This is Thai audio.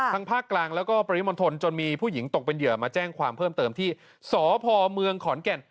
ภาคกลางแล้วก็ปริมณฑลจนมีผู้หญิงตกเป็นเหยื่อมาแจ้งความเพิ่มเติมที่สพเมืองขอนแก่น